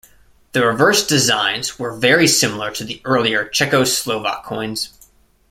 The reverse designs were very similar to the earlier Czechoslovak coins.